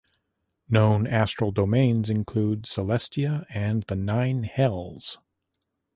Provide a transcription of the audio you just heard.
Known Astral Domains include Celestia and the Nine Hells.